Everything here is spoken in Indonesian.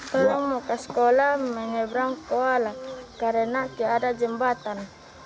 tolong mau ke sekolah menyeberang kuala karena tidak ada jembatan